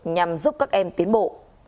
nhằm giúp các em tiến bộ